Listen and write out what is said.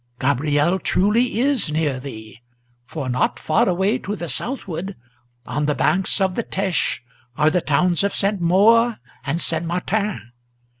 Gabriel truly is near thee; for not far away to the southward, On the banks of the Têche are the towns of St. Maur and St. Martin.